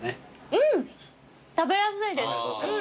うん食べやすいです。